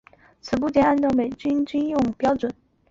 此部件是按照美国军用标准。